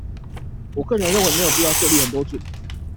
我個人認為沒有必要設立很多組